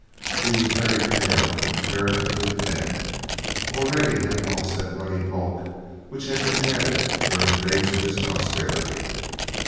He was very pale and comparatively thin. Already he had lost that ruddy bulk which had been added during the days of his prosperity.